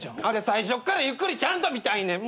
最初っからゆっくりちゃんと見たいねん！